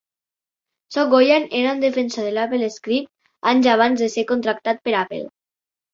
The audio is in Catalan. Soghoian era un defensor de l'AppleScript anys abans de ser contractat per Apple.